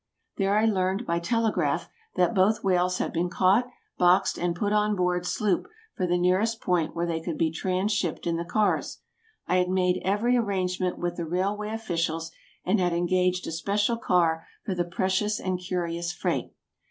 There I learned by telegraph that both whales had been caught, boxed, and put on board sloop for the nearest point where they could be transhipped in the cars. I had made every arrangement with the railway officials, and had engaged a special car for the precious and curious freight.